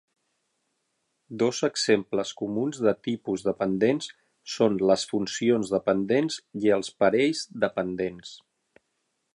Dos exemples comuns de tipus dependents son les funcions dependents i els parells dependents.